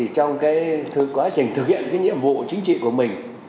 trong quá trình thực hiện nhiệm vụ chính trị của mình